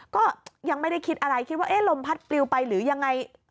ก็ยังไม่ได้คิดอะไรคิดว่าเอ๊ะลมพัดปลิวไปหรือยังไง